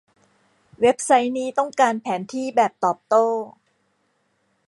เว็บไซต์นี้ต้องการแผนที่แบบตอบโต้